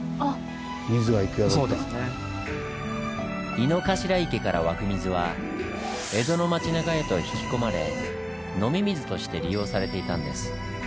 井の頭池から湧く水は江戸の町なかへと引き込まれ飲み水として利用されていたんです。